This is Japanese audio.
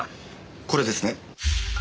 これですね。